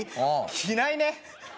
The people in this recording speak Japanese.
着ないね